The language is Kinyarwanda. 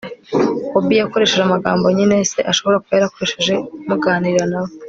obi yakoresheje amagambo nyine se ashobora kuba yarakoresheje muganira na we